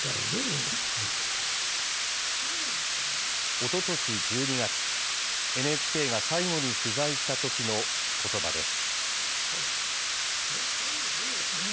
おととし１２月、ＮＨＫが最後に取材したときのことばです。